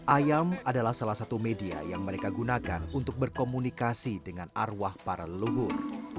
ayam adalah salah satu media yang mereka gunakan untuk berkomunikasi dengan arwah para leluhur